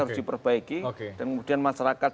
harus diperbaiki dan kemudian masyarakat